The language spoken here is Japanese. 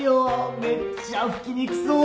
めっちゃ拭きにくそう。